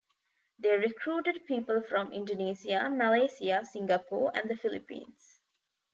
They recruited people from Indonesia, Malaysia, Singapore, and the Philippines.